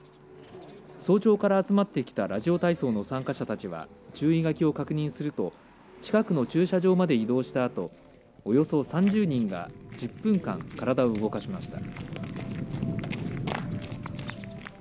早朝から集まってきたラジオ体操の参加者たちは注意書きを確認すると近くの駐車場まで移動したあとおよそ３０人が１０分間、体を動かしました。